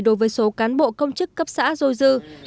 đối với số cán bộ công chức cấp xã dôi dư